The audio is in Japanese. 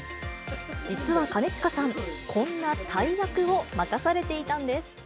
実は兼近さん、こんな大役を任されていたんです。